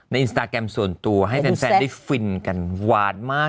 อินสตาแกรมส่วนตัวให้แฟนได้ฟินกันหวานมาก